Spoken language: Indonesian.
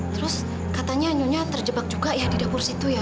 terus katanya nyonya terjebak juga ya di dapur situ ya